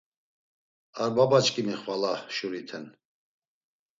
Ar babaçkimi xvala şurite'n.